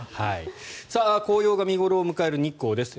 紅葉が見頃を迎える日光です。